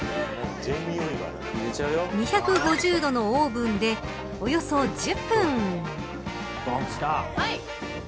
２５０度のオーブンでおよそ１０分。